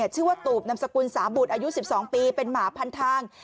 ตูบนำสกุลสาบุตรอายุ๑๒ปีเป็นหมาพันทาง